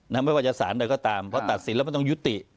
ไม่ว่าจะสารใดก็ตามเพราะตัดสินแล้วมันต้องยุติ